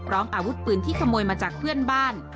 อาวุธปืนที่ขโมยมาจากเพื่อนบ้าน